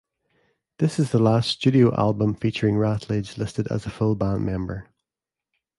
This is the last studio album featuring Ratledge listed as a full band member.